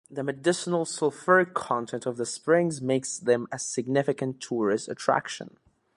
The medicinal sulfuric content of the springs makes them a significant tourist attraction.